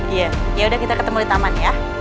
iya yaudah kita ketemu di taman ya